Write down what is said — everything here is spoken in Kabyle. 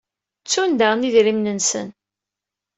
Ttun daɣen idrimen-nsen.